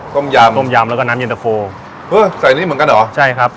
ต้มยำต้มยำแล้วก็น้ำเย็นตะโฟเออใส่นี่เหมือนกันเหรอใช่ครับ